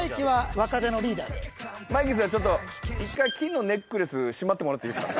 マイキーさん、ちょっと、一回、金のネックレスしまってもらっていいですか？